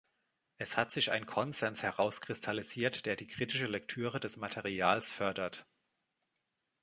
Es hat sich ein Konsens herauskristallisiert, der die kritische Lektüre des Materials fördert.